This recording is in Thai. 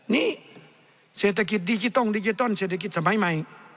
นี่เศรษฐกิจดิจิทัลดิจิตอลเศรษฐกิจสมัยใหม่